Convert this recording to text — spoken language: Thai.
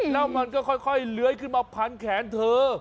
แล้วมันก็ค่อยเลื้อยขึ้นมาพันแขนเธอ